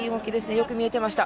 よく見えてました。